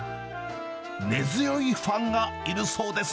根強いファンがいるそうです。